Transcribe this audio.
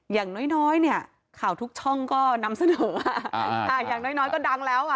อย่างน้อยเนี่ยข่าวทุกช่องก็นำเสนออย่างน้อยก็ดังแล้วอ่ะ